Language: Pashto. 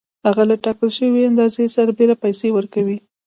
هغه له ټاکل شوې اندازې سربېره پیسې ورکوي